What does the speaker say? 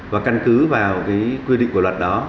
và căn cứ vào quy định của luật đó